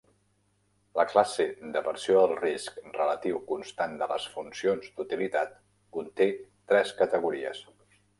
La classe d'aversió al risc relatiu constant de les funcions d'utilitat conté tres categories.